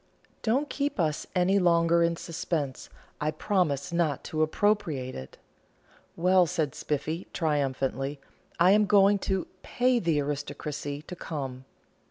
"Don't keep us any longer in suspense; I promise not to appropriate it." "Well," said Spiffy, triumphantly, "I am going to pay the aristocracy to come!"